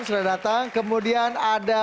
selamat datang kemudian ada